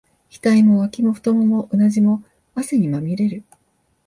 額も、脇も、太腿も、うなじも、汗にまみれる。